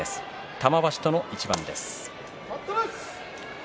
玉鷲との対戦です。